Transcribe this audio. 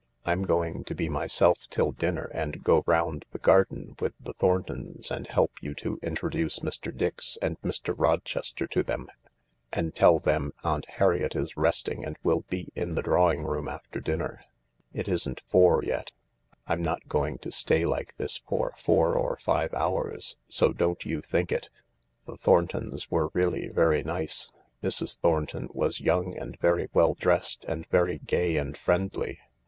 I'm going to be myself till dinner and go round the garden with the Thorntons and help you to introduce Mr. ESx and Mr. Rochester to them, and tell them Aunt Harriet is resting and will be in the drawing room after dinner. It isn't four yet. I'm not going to stay like this for four or five hours, so don't you think it !" The Thorntons were really very nice. Mrs. Thornton was young and very well dressed and very gay and friendly.